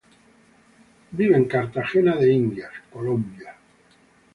Vive en Cartagena de Indias, Colombia.